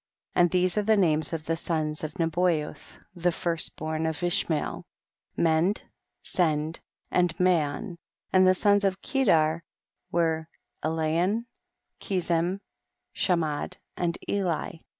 22. And these are the names of the sons of Nebayoth the first born of Ishmael ; Mend, Send, and Ma yon ; and the sons of Kedar were Alyon, Ke^em, Ciiamad and Eli.